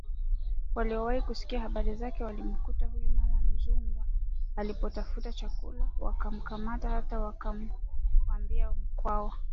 waliowahi kusikia habari zake walimkuta huyu mama Mzungwa alipotafuta chakula wakamkamata hata akawaambia Mkwawa